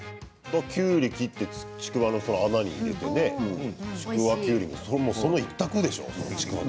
きゅうりを切ってちくわの中に入れてちくわきゅうり、その一択でしょう？